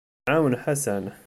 Nɛawen Ḥasan.